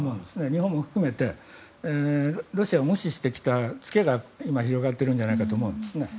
日本も含めてロシアを無視してきた付けが今、広がってるんじゃないかと思うんです。